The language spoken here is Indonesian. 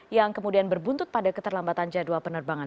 yang kemudian berbuntut pada keterlambatan jadwal penerbangan